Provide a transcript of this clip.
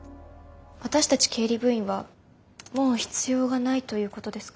私たち経理部員はもう必要がないということですか？